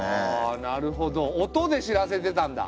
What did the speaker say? あなるほど音で知らせてたんだ。